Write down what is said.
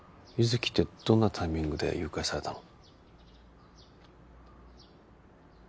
月ってどんなタイミングで誘拐されたの？